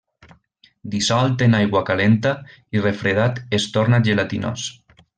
Dissolt en aigua calenta i refredat es torna gelatinós.